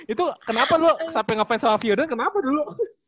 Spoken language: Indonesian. itu kenapa lu sampe ngefans sama firdan kenapa dulu